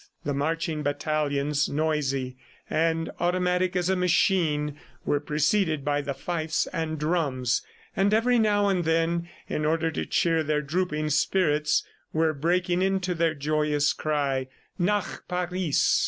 The marching battalions, noisy and automatic as a machine were preceded by the fifes and drums, and every now and then, in order to cheer their drooping spirits, were breaking into their joyous cry, "Nach Paris!"